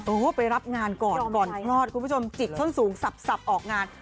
โอ้โหไปรับงานก่อนก่อนคลอดคุณผู้ชมจิกส้นสูงสับออกงาน